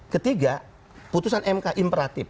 ketiga putusan mk imperatif